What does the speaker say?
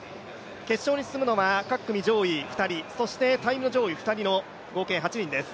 決勝に進むのは各組２人、そしてタイム上位２人の合計８人です。